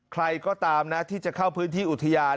ใครก็ตามนะที่จะเข้าพื้นที่อุทยาน